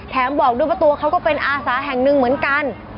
บอกด้วยว่าตัวเขาก็เป็นอาสาแห่งหนึ่งเหมือนกัน